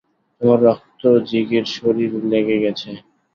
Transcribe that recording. তোমার রক্ত জিগির শরীরে লেগে গেছে!